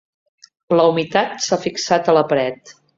La humitat s'ha fixat a la paret.